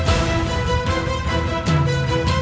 saya akan menjaga kebenaran raden